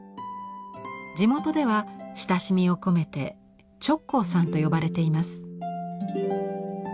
地元では親しみを込めて「ちょっこうさん」と呼ばれています。